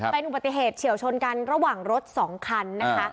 เป็นอุบัติเหตุเฉียวชนกันระหว่างรถสองคันนะคะ